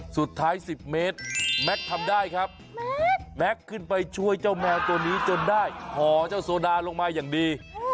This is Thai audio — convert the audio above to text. สุดท้าย๑๐เมตรแม็กซ์ทำได้ครับแม็กซ์ขึ้นไปช่วยเจ้าแมวตัวนี้จนได้ห่อเจ้าโซดาลงมาอย่างดี